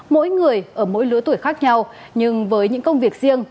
mỗi người ở mỗi lứa tuổi khác nhau nhưng với những công việc riêng